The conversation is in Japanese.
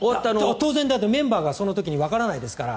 当然、メンバーがその時はわからないですから。